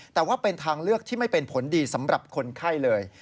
แต่ว่าเป็นทางเลือกที่ไม่เป็นผลดีสำหรับคนไข้เลย